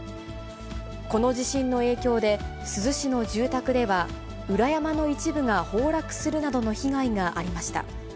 この地震の影響で、珠洲市の住宅では裏山の一部が崩落するなどの被害がありました。